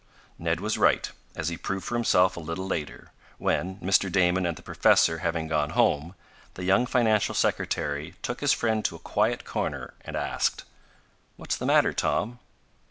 Ned was right, as he proved for himself a little later, when, Mr. Damon and the professor having gone home, the young financial secretary took his friend to a quiet corner and asked: "What's the matter, Tom?"